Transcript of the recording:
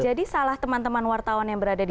jadi salah teman teman wartawan yang berada di sana